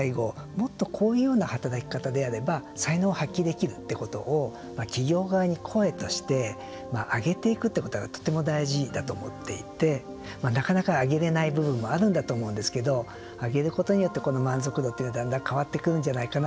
もっとこういうような働き方であれば才能を発揮できるってことを企業側に声として上げていくということがとても大事だと思っていてなかなか上げれない部分もあるんだと思うんですけど上げることによってこの満足度というのが、だんだん変わってくるんじゃないかな。